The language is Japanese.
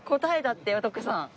って徳さん！